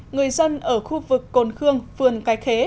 người dân ở khu vực cồn khương phường cái khế